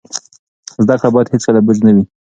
زده کړه باید هیڅکله بوج نه وي.